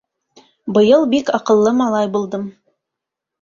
Быйыл бик аҡыллы малай булдым.